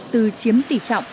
từ chiếm tỷ trọng hai mươi bốn